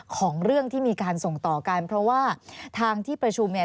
ของเรื่องที่มีการส่งต่อกันเพราะว่าทางที่ประชุมเนี่ย